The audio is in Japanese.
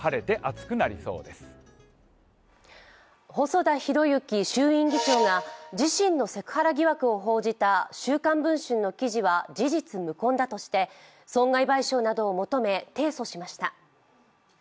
細田博之衆院議長が自身のセクハラ疑惑を報じた「週刊文春」の記事は事実無根だとして、損害賠償などを求め提訴しました。